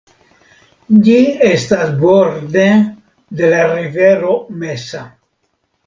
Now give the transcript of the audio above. Ĝi estas borde de la rivero Mesa.